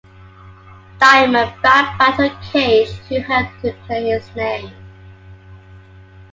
Diamondback battled Cage who hoped to clear his name.